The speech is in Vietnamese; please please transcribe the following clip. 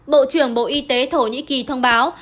bộ trưởng bộ y tế thổ nhĩ kỳ thông báo